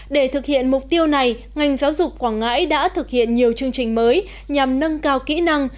để thực hiện mục tiêu này ngành giáo dục quảng ngãi đã thực hiện nhiều chương trình mới nhằm nâng cao kỹ năng